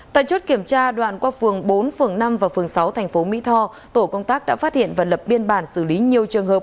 tại chốt kiểm tra đoạn qua phường bốn phường năm và phường sáu tp mỹ tho tổ công tác đã phát hiện và lập biên bản xử lý nhiều trường hợp